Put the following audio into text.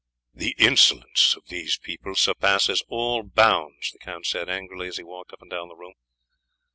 "The insolence of these people surpasses all bounds," the count said angrily as he walked up and down the room.